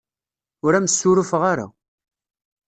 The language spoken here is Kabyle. Ur am-ssurufeɣ ara.